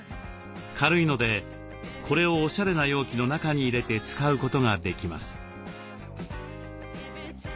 軽いのでこれをおしゃれな容器の中に入れて使うことができます。